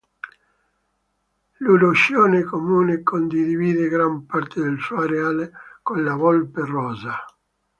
L'urocione comune condivide gran parte del suo areale con la volpe rossa.